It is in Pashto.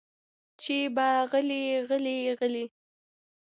چې به غلې غلې غلې